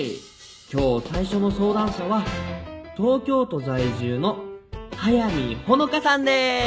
今日最初の相談者は東京都在住の速見穂香さんです。